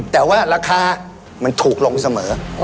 แต่ว่าราคามันถูกลงเสมอ